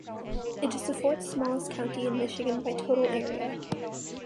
It is the fourth-smallest county in Michigan by total area.